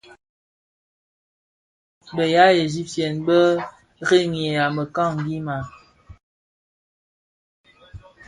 La nnë bë ya Egypten bë rëňgya mekani maa?